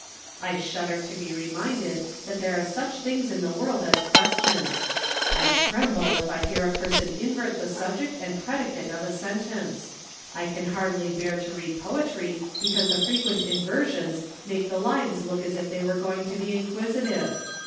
I shudder to be reminded that there are such things in the world as questions I tremble if I hear a person invert the subject and predicate of a sentence. I can hardly bear to read poetry because the frequent inversions make the lines look as if they were going to be inquisitive.